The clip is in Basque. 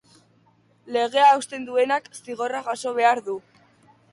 Legea hausten duenak zigorra jaso behar du.